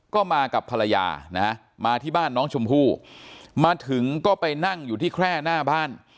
ก็มากับภรรยานะฮะมาที่บ้านน้องชมพู่มาถึงก็ไปนั่งอยู่ที่แคร่หน้าบ้าน